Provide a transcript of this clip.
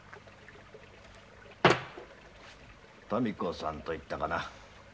民子さんと言ったかな？